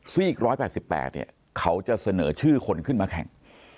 ซีก๑๘๘เนี่ยเขาจะเสนอชื่อคนขึ้นมาแข่ง